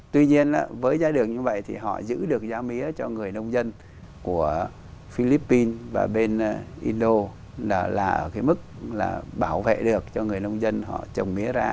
tuy nhiên với giá đường như vậy thì họ giữ được giá mía cho người nông dân của philippines và bên indo là ở cái mức là bảo vệ được cho người nông dân họ trồng mía ra